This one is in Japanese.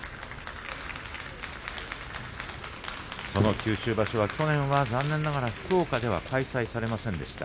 九州場所、去年は残念ながら福岡では開催されませんでした。